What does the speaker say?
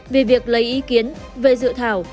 vì việc lấy ý kiến về dự thảo